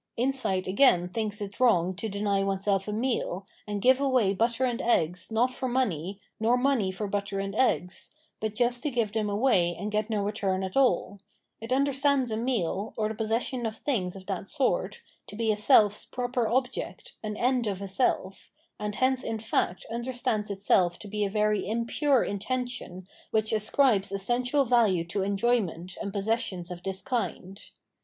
Insight again thinks it wrong to deny one seH a meal, and give away butter and eggs not for money, nor money for butter and eggs, but just to give them away and get no return at aU ; it understands a meal, or the possession of things of that sort, to be a self's proper object, an end of a self, and hence in fact understands itself to be a very impure intention which ascribes essential value to enjoyment and possessions of this kind.